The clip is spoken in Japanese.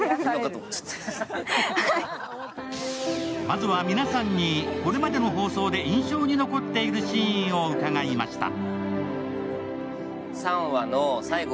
まずは皆さんに、これまでの放送で印象に残っているシーンを伺いました。